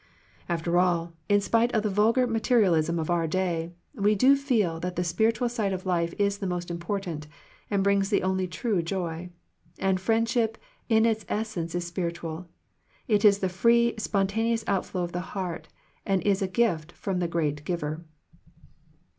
After all, in spite of the vulgar material ism of our day, we do feel that the spir itual side of life is the most important, and brings the only true joy. And friend ship in its essence is spiritual. It is the free, spontaneous outflow of the heart, and is a gift from the great Giver.